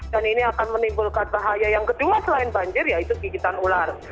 dan ini akan menimbulkan bahaya yang kedua selain banjir yaitu gigitan ular